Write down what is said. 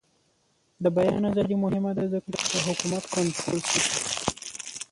د بیان ازادي مهمه ده ځکه چې د حکومت کنټرول ساتي.